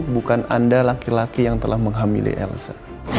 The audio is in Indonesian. bukan anda laki laki yang telah menghamili elsa